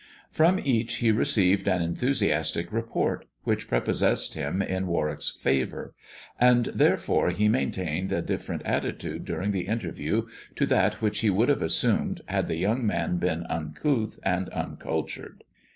From each he received an enthusiastic report, which prepossessed him in Warwick's favour ; and therefore he maintained a different attitude during the interview, to that which he would have assumed had the young man been uncouth and uncultured.